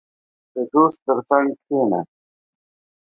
• د دوست تر څنګ کښېنه.